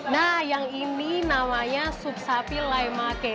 nah yang ini namanya sup sapi lai make